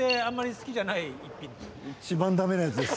一番ダメなやつです。